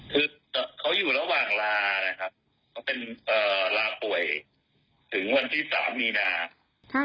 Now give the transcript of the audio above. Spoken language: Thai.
คือเขาอยู่ระหว่างลาเป็นลาป่วยถึงวันที่๓มีนา